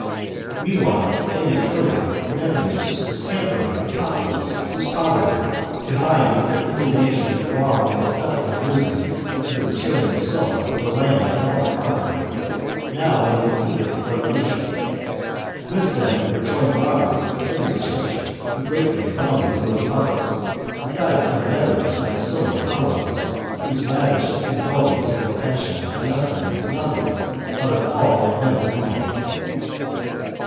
Meanwhile, in Etruria, Manlius was tampering with a populace whose poverty, combined with their indig nation at the wrong they had suffered in losing, under the tyranny of Sulla, their lands and all their property, now made them eager for revolution. With them were joined robbers of every description who greatly abounded in those parts, besides some veterans from the Sullan colonies, whose lavish indulgence of their passions had left them with nothing out of all their immense booty.